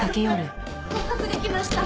合格できました。